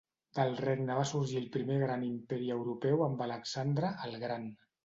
Del regne va sorgir el primer gran imperi europeu amb Alexandre el Gran.